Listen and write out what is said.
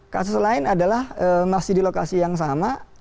kasus lain adalah masih di lokasi yang sama